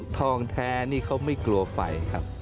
ทองแท้นี่เขาไม่กลัวไฟครับ